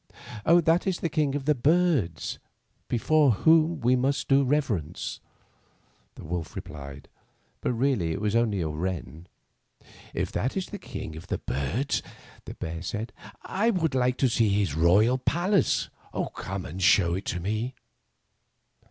"That is the King of the Birds, before whom we must do reverence," the Wolf re plied; but really it was only a wren. "If that is the King of the Birds," the bear said, "I would like to see his royal palace. Come, show it to me."